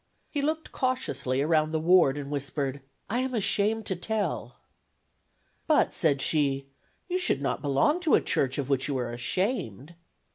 He looked cautiously around the ward and whispered: "I am ashamed to tell." "But," said she, "you should not belong to a church of which you are ashamed."